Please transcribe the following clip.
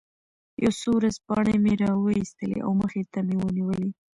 یو څو ورځپاڼې مې را وویستلې او مخې ته مې ونیولې.